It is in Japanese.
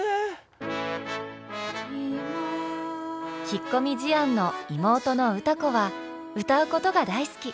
引っ込み思案の妹の歌子は歌うことが大好き。